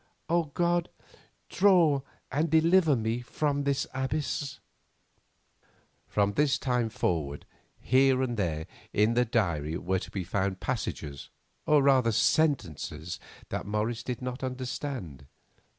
O God, draw and deliver me from this abyss." From this time forward here and there in the diary were to be found passages, or rather sentences, that Morris did not understand.